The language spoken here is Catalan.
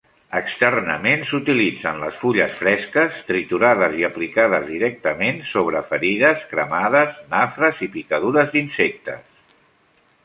Externament, s'utilitzen les fulles fresques, triturades i aplicades directament sobre ferides, cremades, nafres, picadures d'insectes.